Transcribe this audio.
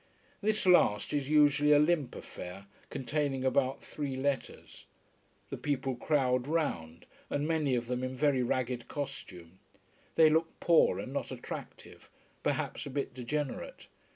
This last is usually a limp affair, containing about three letters. The people crowd round and many of them in very ragged costume. They look poor, and not attractive: perhaps a bit degenerate.